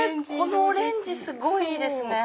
このオレンジすごいいいですね。